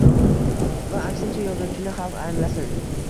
Va aksincha, yozuvchini xalq anglasin.